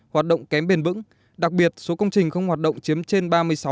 hoạt động kém bền vững đặc biệt số công trình không hoạt động chiếm trên ba mươi sáu